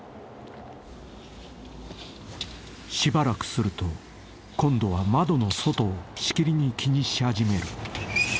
［しばらくすると今度は窓の外をしきりに気にし始める］